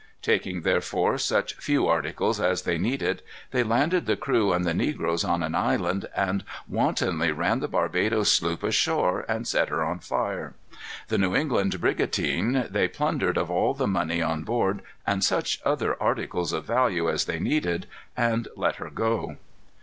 Taking, therefore, such few articles as they needed, they landed the crew and the negroes on an island, and wantonly ran the Barbadoes sloop ashore and set her on fire. The New England brigantine they plundered of all the money on board and such other articles of value as they needed, and let her go.